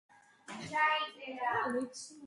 ძირითადად ბინადრობს მდინარეებში, იშვიათად ტბებში.